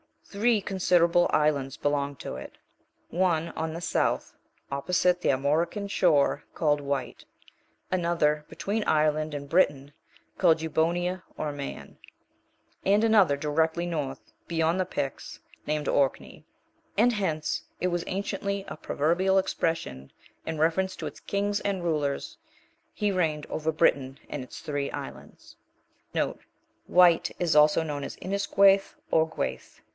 8. Three considerable islands belong to it; one, on the south, opposite the Armorican shore, called Wight;* another between Ireland and Britain, called Eubonia or Man; and another directly north, beyond the Picts, named Orkney; and hence it was anciently a proverbial expression, in reference to its kings and rulers, "He reigned over Britain and its three islands." * Inis gueith, or Gueith.